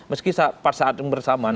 meski saat bersamaan